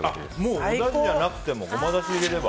もうおだしじゃなくてもごまだしを入れれば？